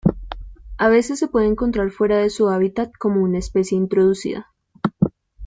A veces se puede encontrar fuera de su hábitat como una especie introducida.